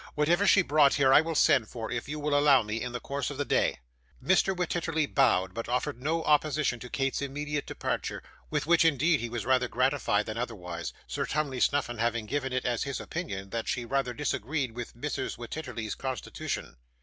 Whatever she brought here I will send for, if you will allow me, in the course of the day.' Mr. Wititterly bowed, but offered no opposition to Kate's immediate departure; with which, indeed, he was rather gratified than otherwise, Sir Tumley Snuffim having given it as his opinion, that she rather disagreed with Mrs. Wititterly's constitution.